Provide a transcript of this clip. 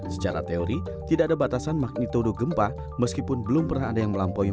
secara teori tidak ada batasan magnitudo gempa meskipun belum pernah ada yang melampaui